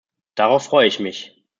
Darauf freue ich mich.